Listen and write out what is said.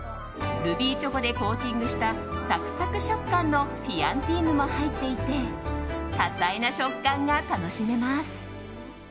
ルビーチョコでコーティングしたサクサク食感のフィアンティーヌも入っていて多彩な食感が楽しめます。